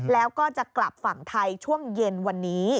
แล้วก็จะกลับฝั่งไทยช่วงเย็นวันนี้